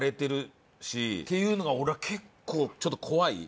っていうのが俺は結構ちょっと怖い。